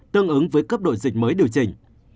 tương ứng với cấp độ dịch mới điều chỉnh